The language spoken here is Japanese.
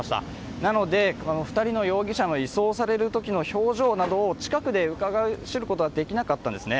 なので、２人の容疑者の移送されるときの表情などを近くでうかがい知ることはできかなったんですね。